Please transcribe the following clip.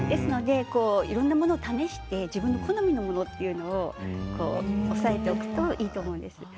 いろんなものを試して自分の好みのものを押さえておくといいと思います。